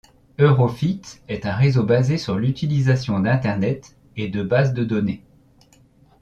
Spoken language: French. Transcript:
Europhyt est un réseau basé sur l'utilisation d'Internet et de bases de données.